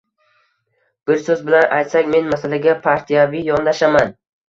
Bir so‘z bilan aytsak, men masalaga partiyaviy yondashaman.